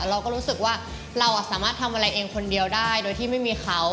เราก็รู้สึกว่าเราสามารถทำอะไรเองคนเดียวได้โดยที่ไม่มีเขา